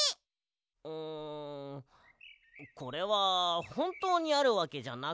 うんこれはほんとうにあるわけじゃなくて。